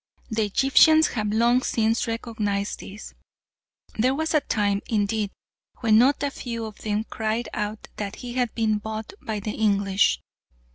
The Egyptians have long since recognised this. There was a time, indeed, when not a few of them cried out that he had been bought by the English.